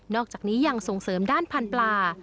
อกจากนี้ยังส่งเสริมด้านพันธุ์ปลา